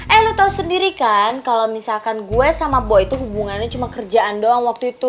eh lo tau sendiri kan kalo misalkan gue sama boy itu hubungannya cuma kerjaan doang waktu itu